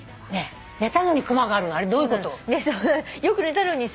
寝たのにクマがあるのあれどういうこと？よく寝たのにさ